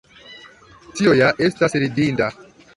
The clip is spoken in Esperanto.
Tio ja estas ridinda!